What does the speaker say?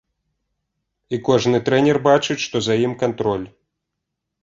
І кожны трэнер бачыць, што за ім кантроль.